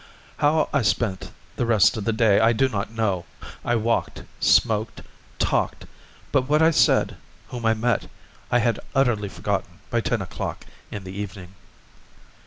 How I spent the rest of the day I do not know; I walked, smoked, talked, but what I said, whom I met, I had utterly forgotten by ten o'clock in the evening.